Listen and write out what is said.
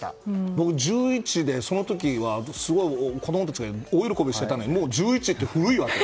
僕１１で、その時はすごい子供たちが大喜びしてたのにもう１１って古いわって。